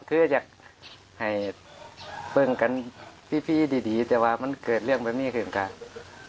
คืออยากให้เบิ้งกันพี่ดีแต่ว่ามันเกิดเรื่องแบบนี้ขึ้นครับ